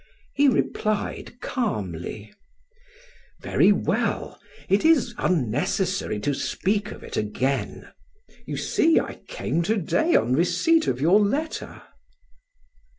He replied calmly: "Very well. It is unnecessary to speak of it again. You see I came to day on receipt of your letter."